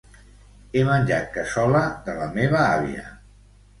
He menjat cassola de la meva àvia.